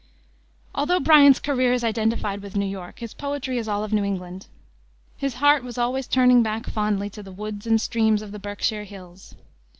Although Bryant's career is identified with New York, his poetry is all of New England. His heart was always turning back fondly to the woods and streams of the Berkshire hills.